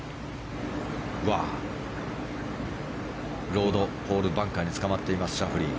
ロードホールバンカーにつかまっていますシャフリー。